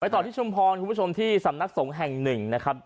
ต่อที่ชุมพรคุณผู้ชมที่สำนักสงฆ์แห่งหนึ่งนะครับ